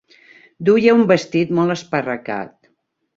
Duia un vestit molt esparracat.